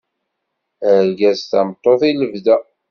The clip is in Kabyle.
Argaz tameṭṭut i lebda.